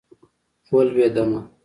ولوېدمه.